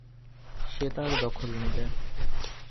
সে তার দখল নিবে।